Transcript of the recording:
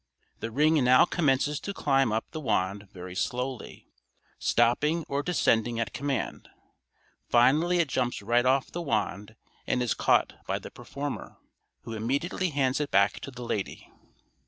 The ring now commences to climb up the wand very slowly, stopping or descending at command; finally it jumps right off the wand and is caught by the performer, who immediately hands it back to the lady.